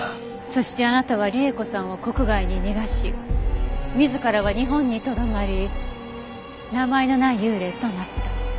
そしてあなたは里江子さんを国外に逃がし自らは日本にとどまり名前のない幽霊となった。